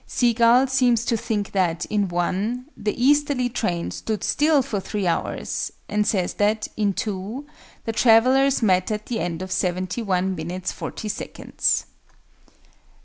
SEA GULL seems to think that, in (1), the easterly train stood still for 3 hours; and says that, in (2), the travellers met at the end of 71 minutes 40 seconds.